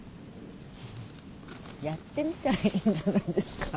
やってみたらいいんじゃないですか？